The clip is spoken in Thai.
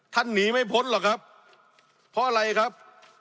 หนีไม่พ้นหรอกครับเพราะอะไรครับ